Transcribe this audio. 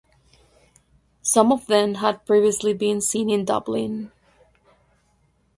Some of them had previously been seen in Dublin.